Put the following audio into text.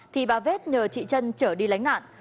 thì bà vết nhờ chị trân trở đi lánh nạn